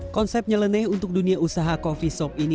konsep nyeleneh untuk dunia usaha coffee sop ini